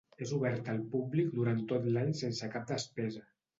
És obert al públic durant tot l'any sense cap despesa.